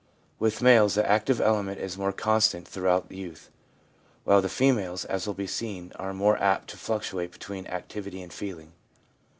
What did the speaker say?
With males the active element is more constant throughout youth, while the females, as will be seen, are more apt to fluctuate between activity and feeling.